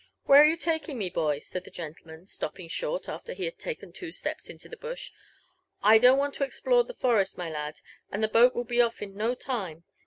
Where are you taking me, boy?" said the gentleman, stopping short, after he had taken two steps into the bush :'* I don't want to explore the forest, my lad, and the boat will be off in no time.